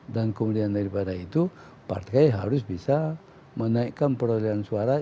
dan kemudian daripada itu partai harus bisa menaikkan perolehan suara